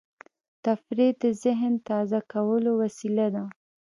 تفریح د ذهن تازه کولو وسیله ده.